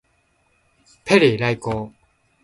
ペリー来航